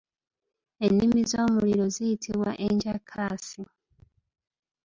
Ennimi z’omuliro ziyitibwa Enjakaasi.